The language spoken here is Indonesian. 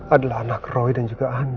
adalah anak roy dan juga ani